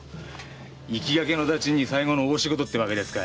行きがけの駄賃に最後の大仕事ってわけですか。